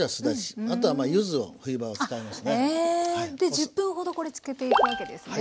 １０分ほどこれつけていくわけですね。